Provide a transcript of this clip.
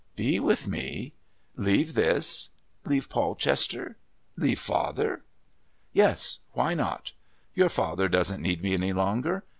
"Be with me? Leave this? Leave Polchester?...Leave father?" "Yes, why not? Your father doesn't need me any longer.